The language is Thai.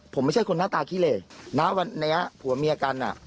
ผมไม่ใช่คนหน้าตาขี้เหลณวันนี้ผัวเมียกันอ่ะ